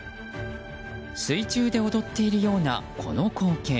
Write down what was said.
水中で踊っているようなこの光景。